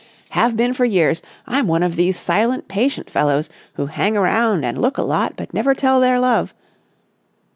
"Have been for years. I'm one of those silent, patient fellows who hang around and look a lot but never tell their love...."